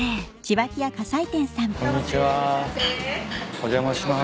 お邪魔します。